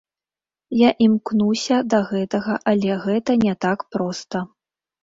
Я імкнуся да гэтага, але гэта не так проста.